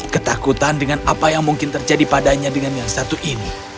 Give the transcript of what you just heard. ketakutan dengan apa yang mungkin terjadi padanya dengan yang satu ini